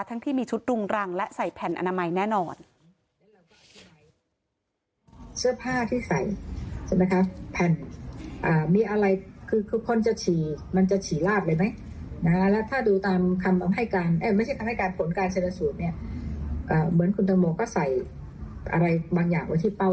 ที่มีชุดรุงรังและใส่แผ่นอนามัยแน่นอน